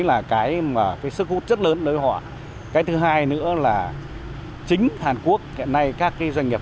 là cái mà cái sức hút rất lớn đối với họ cái thứ hai nữa là chính hàn quốc hiện nay các cái doanh nghiệp